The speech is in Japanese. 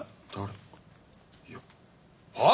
いや。はあ？